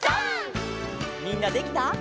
みんなできた？